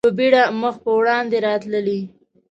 په بېړه مخ په وړاندې راتللې.